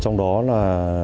trong đó là